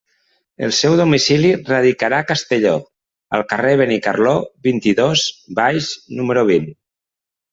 El seu domicili radicarà a Castelló, al carrer Benicarló, vint-i-dos, baix, número vint.